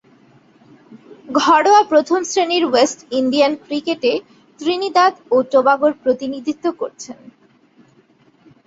ঘরোয়া প্রথম-শ্রেণীর West Indian ক্রিকেটে ত্রিনিদাদ ও টোবাগোর প্রতিনিধিত্ব করেছেন।